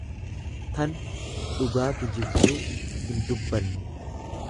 tan.dhugaa kijibduu, hindubbanne.